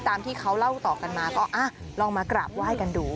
ตามที่เขาเล่าต่อกันมาก็ลองมากราบไหว้กันดู